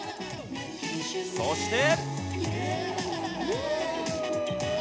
そして。